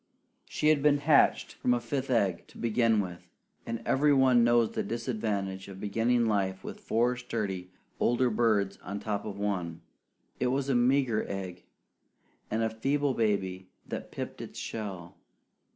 She had been hatched from a fifth egg to begin with; and every one knows the disadvantage of beginning life with four sturdy older birds on top of one. It was a meager egg, and a feeble baby that pipped its shell.